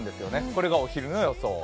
これがお昼の予想。